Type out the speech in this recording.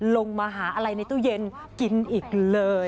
ลงมาหาอะไรในตู้เย็นกินอีกเลย